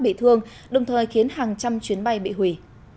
bị thương đồng thời khiến hàng trăm chuyến bay bị hủy